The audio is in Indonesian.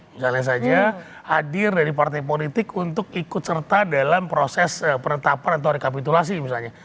misalnya saja hadir dari partai politik untuk ikut serta dalam proses penetapan atau rekapitulasi misalnya